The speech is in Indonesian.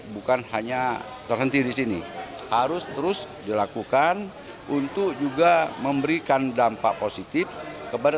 bukan hanya terhenti di sini harus terus dilakukan untuk juga memberikan dampak positif kepada